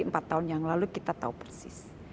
empat tahun yang lalu kita tahu persis